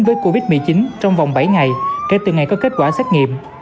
với covid một mươi chín trong vòng bảy ngày kể từ ngày có kết quả xét nghiệm